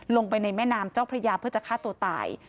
ลงไปในแม่น้ำเจ้าพระยาเพื่อจะฆ่าตัวตาย